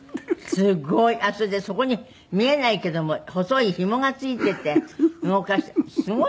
すごい。それでそこに見えないけども細いひもがついていて動かす。